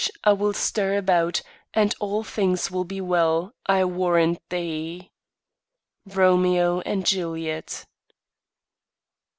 I will stir about, And all things will be well, I warrant thee. Romeo and Juliet.